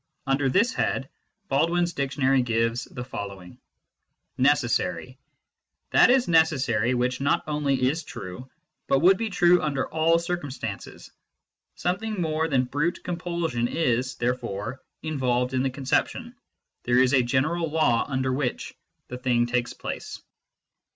Under this head, Baldwin s Dictionary gives the following :" NECESSARY. That is necessary which not only is true, but would be true under all circumstances. Something more than brute compulsion is, there fore, involved in the conception ; there is a general law under which the thing takes place."